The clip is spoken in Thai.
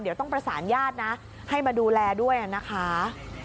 เดี๋ยวต้องประสานญาตินะให้มาดูแลด้วยนะคะ